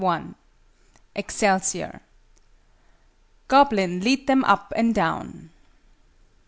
EXCELSIOR. "Goblin, lead them up and down."